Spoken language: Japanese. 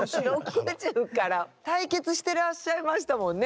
対決してらっしゃいましたもんね